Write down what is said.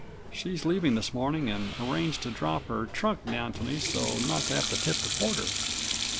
She's leaving this morning and arranged to drop her trunk down to me so's not to have to tip the porter.